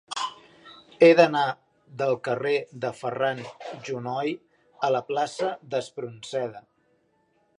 He d'anar del carrer de Ferran Junoy a la plaça d'Espronceda.